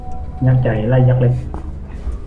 ยักษ์ใหญ่ ไล่ยักษ์เล็ก